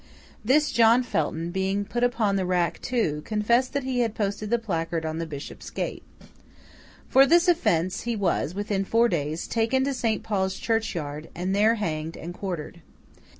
This John Felton, being put upon the rack too, confessed that he had posted the placard on the Bishop's gate. For this offence he was, within four days, taken to St. Paul's Churchyard, and there hanged and quartered.